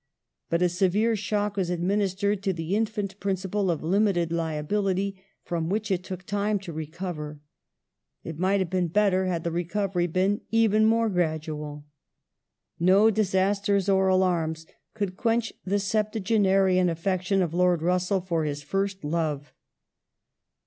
But a severe shock was administered to the infant principle of limited liability from which it took time to recover. It might have been better had the i ecovery been even more gradual. No disasters or alai*ms could quench the septuagenarian affec Parlia tion of Lord Russell for his first love.